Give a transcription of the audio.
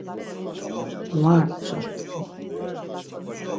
Var, şo tkvi.